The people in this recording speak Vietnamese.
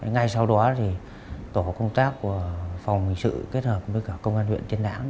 ngay sau đó tổ công tác của phòng hình sự kết hợp với công an huyện tiên áng